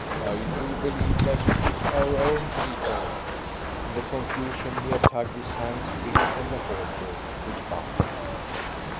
"I do believe that it is our own people." In the confusion he had tugged his hands free from the halter which bound them.